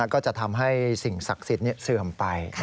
ก็จะทำให้สิ่งศักดิ์สิทธิ์เสื่อมไป